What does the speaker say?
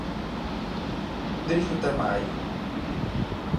Deixe o tema aí.